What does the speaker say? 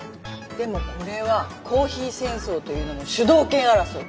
でもこれはコーヒー戦争という名の主導権争い。